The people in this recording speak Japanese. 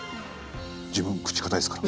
自分口かたいっすから。